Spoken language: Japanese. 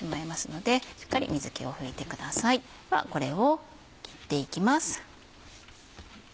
ではこれを切っていきます。